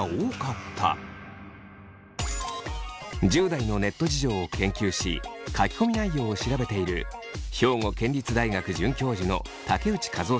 １０代のネット事情を研究し書き込み内容を調べている兵庫県立大学准教授の竹内和雄さんはこの結果を。